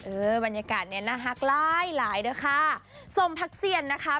บรรยากาศเนี้ยน่าฮักหลายหลายด้วยค่ะสมพักเซียนนะคะ